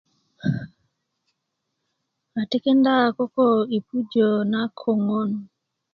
a tikinda koko i pujö na koŋön